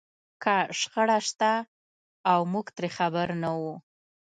که شخړه شته او موږ ترې خبر نه وو.